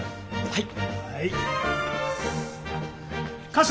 はい。